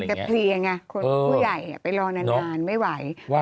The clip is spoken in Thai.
เพลียไงคนผู้ใหญ่ไปรอนานไม่ไหว